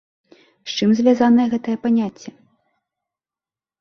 З чым звязанае гэтае паняцце?